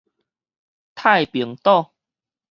太平島